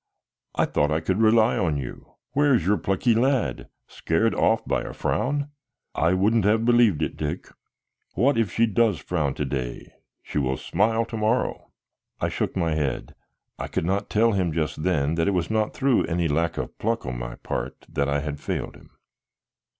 I thought I could rely on you. Where's your plucky lad? Scared off by a frown? I wouldn't have believed it, Dick. What if she does frown to day; she will smile to morrow." I shook my head; I could not tell him just then that it was not through any lack of pluck on my part that I had failed him.